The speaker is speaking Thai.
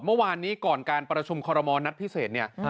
เมื่อวานนี้ก่อนการประชุมคอรมณ์ณพิเศษ